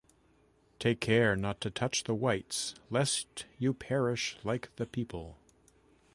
"Take care not to touch the whites lest you perish like the people..."